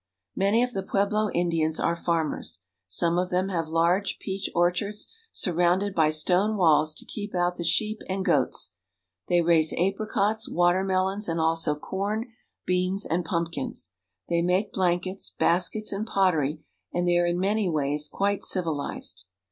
Many of the Pueblo Indians are farmers. Some of them have large peach orchards, surrounded by stone walls to keep out the sheep and goats. They raise apricots, water melons, and also corn, beans, and pumpkins. They make blankets, baskets, and pottery ; and they are in many ways quite civilized.